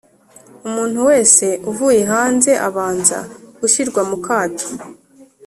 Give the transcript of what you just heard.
Umuntu wese uvuye hanze abanza gushirwa mu kato